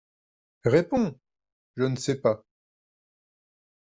Réponds ! Je ne sais pas.